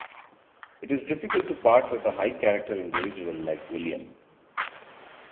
It is difficult to part with a high-character individual like William.